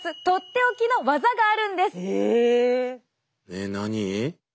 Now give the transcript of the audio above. えっ何？